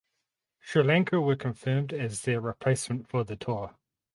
Sri Lanka were confirmed as their replacement for the tour.